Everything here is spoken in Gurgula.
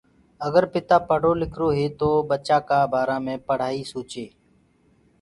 آگر پتآ پڙهرو لکرو هي تو ٻچآ ڪآ بآرآ مي پڙهآئي سوچي